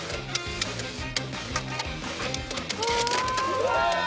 ・うわ！